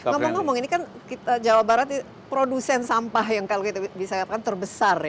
ngomong ngomong ini kan jawa barat produsen sampah yang kalau kita bisa katakan terbesar ya